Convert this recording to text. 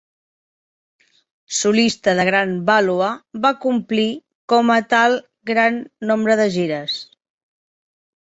Solista de gran vàlua, va complir com a tal gran nombre de gires.